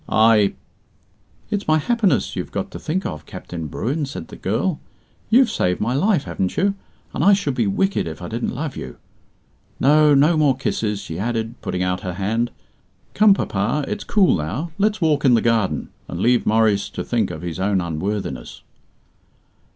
"I " "It's my happiness you've got to think of, Captain Bruin," said the girl. "You've saved my life, haven't you, and I should be wicked if I didn't love you! No, no more kisses," she added, putting out her hand. "Come, papa, it's cool now; let's walk in the garden, and leave Maurice to think of his own unworthiness."